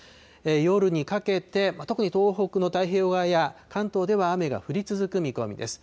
夜にかけて、特に東北の太平洋側や、関東では雨が降り続く見込みです。